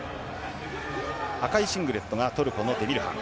赤いシングレットがトルコのデミルハン。